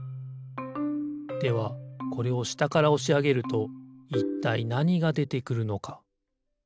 ではこれをしたからおしあげるといったいなにがでてくるのか？